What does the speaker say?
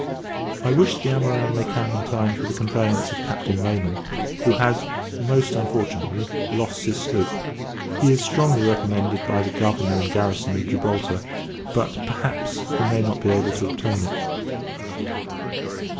I wish the amorins may come in time for the conveyance of Captain Layman; who has, most unfortunately, lost his sloop: he is strongly recommended, by the governor and garrison of Gibraltar. But, perhaps, he may not be able to obtain it.